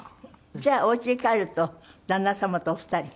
じゃあおうちに帰ると旦那様とお二人？